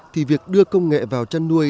thì việc đưa công nghệ vào chăn nuôi